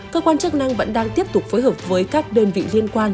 cơ quan chức năng vẫn đang tiếp tục phối hợp với các đơn vị liên quan